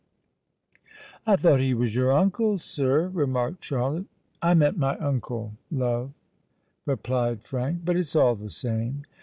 "I thought he was your uncle, sir?" remarked Charlotte. "I meant my uncle, love," replied Frank: "but it's all the same.